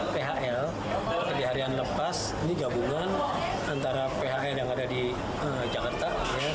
phl di harian lepas ini gabungan antara phl yang ada di jakarta